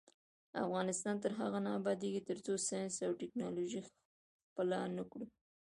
افغانستان تر هغو نه ابادیږي، ترڅو ساینس او ټیکنالوژي خپله نکړو.